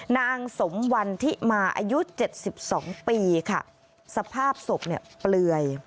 นางสมวันที่มาอายุเจ็ดสิบสองปีค่ะสภาพศพเนี่ยเปลือย